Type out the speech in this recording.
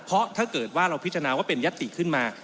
เพราะถ้าเกิดว่าเราพิจารณาว่าเป็นยัตติขึ้นมา